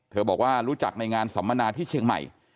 บอกว่ารู้จักในงานสัมมนาที่เชียงใหม่